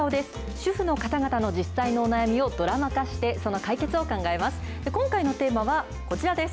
主婦の方々の実際のお悩みをドラマ化して、その解決を考えます。